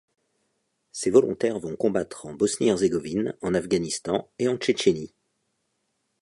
Ces volontaires vont combattre en Bosnie-Herzégovine, en Afghanistan et en Tchétchénie.